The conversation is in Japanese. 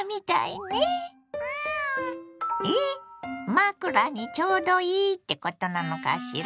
⁉枕にちょうどいいってことなのしら？